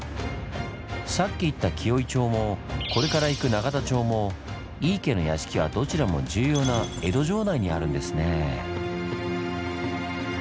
さっき行った紀尾井町もこれから行く永田町も井伊家の屋敷はどちらも重要な江戸城内にあるんですねぇ。